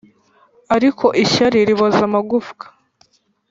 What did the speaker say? ariko ishyari riboza amagufwa